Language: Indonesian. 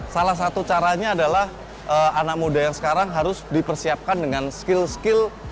salah satu caranya adalah anak muda yang sekarang harus dipersiapkan dengan skill skill